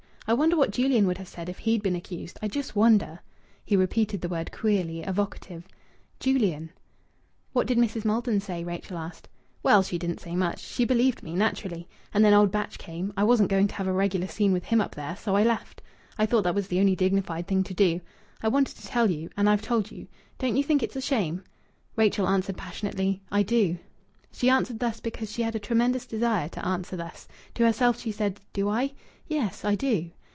I wonder what Julian would have said if he'd been accused. I just wonder!" He repeated the word, queerly evocative: "Julian!" "What did Mrs. Maldon say?" Rachel asked. "Well, she didn't say much. She believed me, naturally. And then old Batch came. I wasn't going to have a regular scene with him up there, so I left. I thought that was the only dignified thing to do. I wanted to tell you, and I've told you. Don't you think it's a shame?" Rachel answered passionately "I do." She answered thus because she had a tremendous desire to answer thus. To herself she said: "Do I?... Yes, I do."